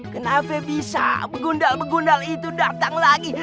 kenapa bisa begundal begundal itu datang lagi